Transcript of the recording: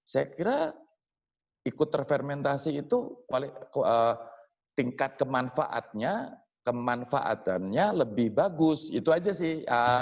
saya kira ikut terfermentasi itu tingkat kemanfaatannya lebih bagus itu aja sih